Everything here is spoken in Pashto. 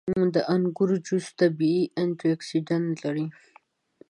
• د انګورو جوس طبیعي انټياکسیدنټ لري.